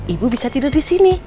ibu bisa tidur di sini